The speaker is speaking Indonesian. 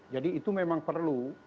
jadi itu memang perlu